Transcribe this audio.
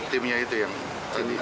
timnya itu yang tadi